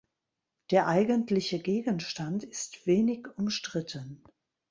Der eigentliche Gegenstand ist wenig umstritten.